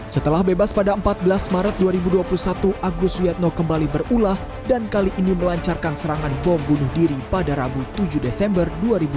setelah bebas pada empat belas maret dua ribu dua puluh satu agus wiyatno kembali berulah dan kali ini melancarkan serangan bom bunuh diri pada rabu tujuh desember dua ribu dua puluh